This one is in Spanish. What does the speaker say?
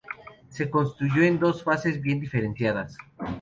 Se construyó en dos fases bien diferenciadas.